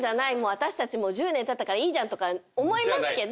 私たちもう１０年たったからいいじゃんとか思いますけど。